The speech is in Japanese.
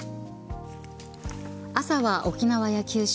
朝は沖縄や九州